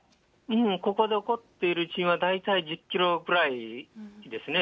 ここで起こっている地震は大体１０キロくらいですね。